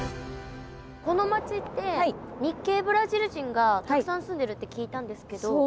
この町って日系ブラジル人がたくさん住んでるって聞いたんですけど。